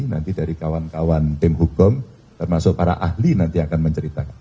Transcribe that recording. nanti dari kawan kawan tim hukum termasuk para ahli nanti akan menceritakan